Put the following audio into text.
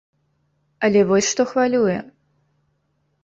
Але вось што хвалюе.